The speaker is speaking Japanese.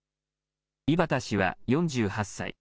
井端氏は４８歳。